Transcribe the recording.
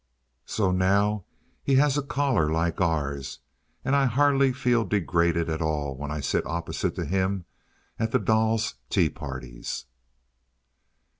So now he has a collar like ours, and I hardly feel degraded at all when I sit opposite to him at the doll's tea parties.